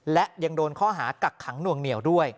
และยังโดนข้อหากักขังหน่วงเหนียวด้วย